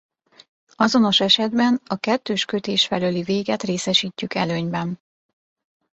Azonos esetben a kettős kötés felőli véget részesítjük előnyben.